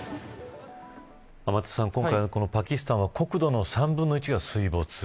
今回、このパキスタンは国土の３分の１が水没。